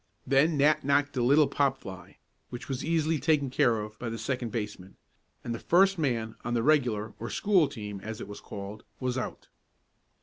Then Nat knocked a little pop fly, which was easily taken care of by the second baseman, and the first man on the regular, or school team, as it was called, was out.